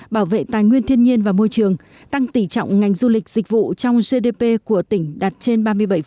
bảo vệ tài nguyên thiên nhiên và môi trường tăng tỉ trọng ngành du lịch dịch vụ trong gdp của tỉnh đạt trên ba mươi bảy